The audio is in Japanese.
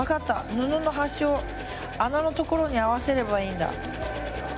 布の端を穴のところに合わせればいいんだ。